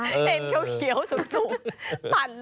เห็นเขียวสูง